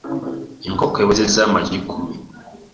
Enkoko ewezezza amagi kkumi.